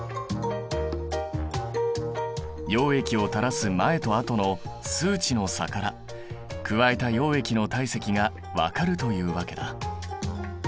溶液をたらす前と後の数値の差から加えた溶液の体積がわかるというわけだ。